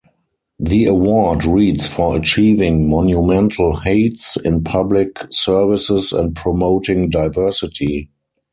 The award reads For achieving monumental heights in public services and promoting diversity.